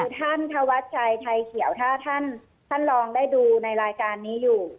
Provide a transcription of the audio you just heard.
ท่านธวัชชัยไทยเขียวถ้าท่านลองได้ดูในรายการนี้อยู่